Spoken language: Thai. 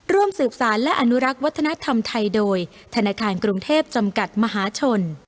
ร่วมสืบสารและอนุรักษ์วัฒนธรรมไทยโดยธนาคารกรุงเทพจำกัดมหาชน